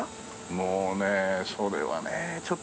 もうねそれはねちょっと俺。